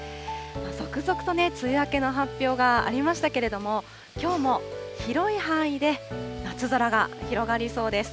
続々と梅雨明けの発表がありましたけれども、きょうも広い範囲で夏空が広がりそうです。